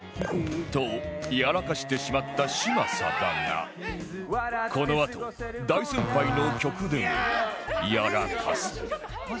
とやらかしてしまった嶋佐だがこのあと大先輩の曲でもやらかす